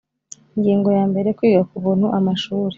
Ingingo ya mbere Kwiga ku buntu amashuri